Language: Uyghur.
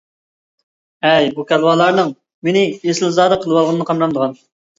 ھەي، بۇ كالۋالارنىڭ مېنى ئېسىلزادە قىلىۋالغىنىنى قارىمامدىغان!